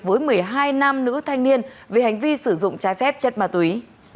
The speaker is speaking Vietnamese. với một mươi hai nam nữ thanh niên về hành vi sử dụng trái phép chất ma túy